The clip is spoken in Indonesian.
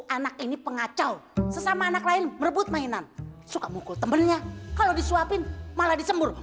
anak ini pengacau sesama anak lain merebut mainan suka mukul temennya kalau disuapin malah disembur